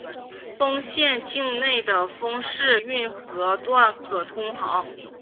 丰县境内的丰沛运河段可通航。